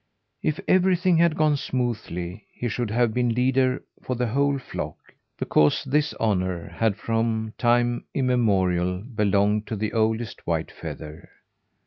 If everything had gone smoothly, he should have been leader for the whole flock, because this honour had, from time immemorial, belonged to the oldest Whitefeather.